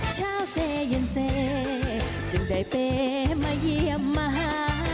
เช้าเซเย็นเซจึงได้เปย์มาเยี่ยมมาหา